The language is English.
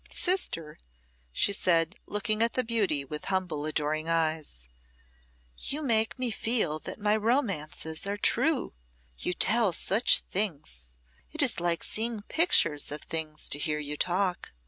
"Sister," she said, looking at the Beauty with humble, adoring eyes, "you make me feel that my romances are true. You tell such things. It is like seeing pictures of things to hear you talk.